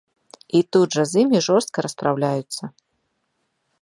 І тут жа з імі жорстка распраўляюцца.